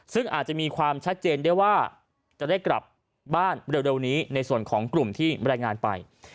ซึ่งอาจจะมีความชัดเจนได้ว่าจะได้กลับบ้านเร็วนี้ในส่วนของกลุ่มที่รายงานไป